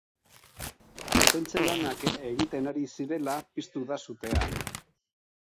Mantentze-lanak egiten ari zirela piztu da sutea.